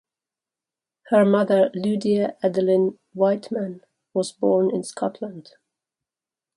Her mother Lydia Adeline Wightman was born in Scotland.